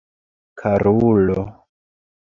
Karulo!